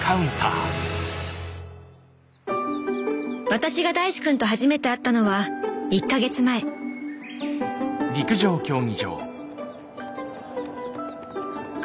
私が大志くんと初めて会ったのは１か月前大志！